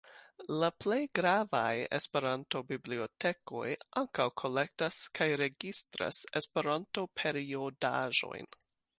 La plej gravaj Esperanto-bibliotekoj ankaŭ kolektas kaj registras Esperanto-periodaĵojn.